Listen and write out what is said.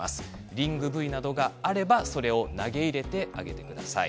リングブイなどがあればそれを投げ入れてください。